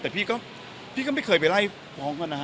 แต่พี่ก็ไม่เคยไปไล่ฟ้องกันนะฮะ